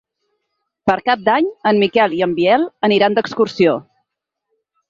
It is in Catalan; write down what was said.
Per Cap d'Any en Miquel i en Biel aniran d'excursió.